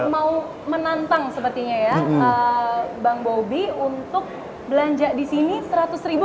mau menantang sepertinya ya bang bobi untuk belanja di sini seratus ribu